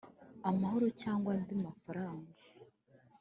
amahoro cyangwa andi mafaranga